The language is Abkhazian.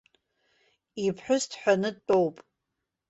Иԥҳәыс дҳәаны дтәоуп.